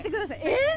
えっ！？